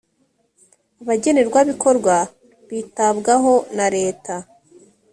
abagenerwabikorwa bitabwaho na leta.